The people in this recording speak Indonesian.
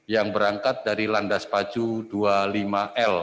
yang berangkat dari landas pacu dua puluh lima l